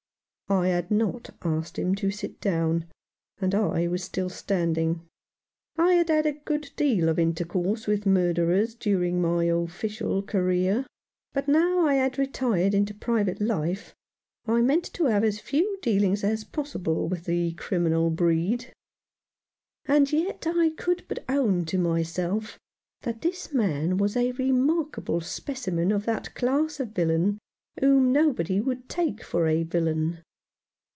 I had not asked him to sit down, and I was still standing. I had had a good deal of intercourse with murderers during my official career, but now I had retired into private life I meant to have as few dealings as possible with the criminal breed. And yet I could but own to myself that this man was a remarkable specimen of that class of villain whom nobody would take for a villain.